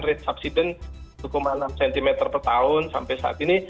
rate subsidence satu enam cm per tahun sampai saat ini